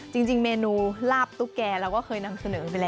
จริงเมนูลาบตุ๊กแก่เราก็เคยนำเสนอไปแล้ว